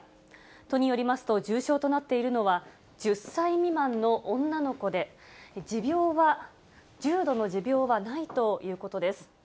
都によりますと、重症となっているのは、１０歳未満の女の子で、重度の持病はないということです。